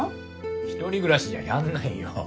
一人暮らしじゃやんないよ。